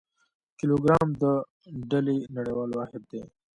کیلوګرام د ډلي نړیوال واحد دی.